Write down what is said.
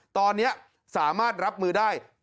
ตอนนี้สามารถรับมือได้